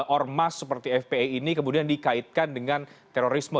ormas seperti fpi ini kemudian dikaitkan dengan terorisme